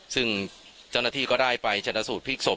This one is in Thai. ซึ่งเจ้าหน้าที่ก็ได้ไปชนะสูตรพลิกศพ